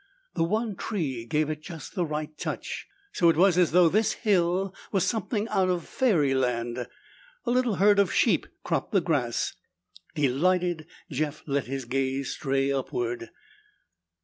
The one tree gave it just the right touch, so it was as though this hill were something out of fairyland. A little herd of sheep cropped the grass. Delighted, Jeff let his gaze stray upward.